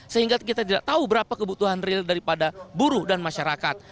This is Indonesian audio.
sehingga kita tidak tahu berapa kebutuhan real daripada buruh dan masyarakat